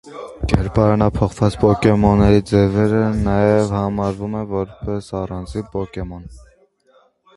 Կերպարանափոխված պոկեմոնների ձևերը նաև համարվում են որպես առանձին պոկեմոն։